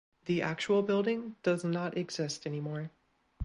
The actual building does not exist any more.